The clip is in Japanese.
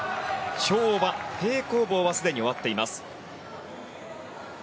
跳馬、平行棒はすでに終わっています。